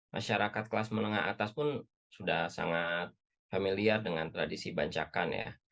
masyarakat kelas menengah atas pun sudah sangat familiar dengan tradisi bancakan ya